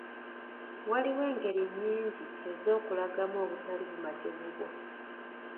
Waliwo engeri nnyingi ez’okulagamu obutali bumativu bwo.